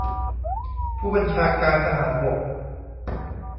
ผู้บัญชาการทหารบก